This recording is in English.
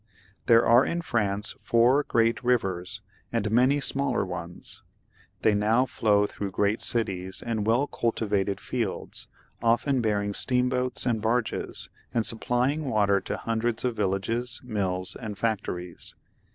There are in France four great rivers, and many smaller ones ; they now flow through great cities and well cultivated fields, often bearing steamboats and baiges, and supplying water to hundreds of villages, mills, and factories.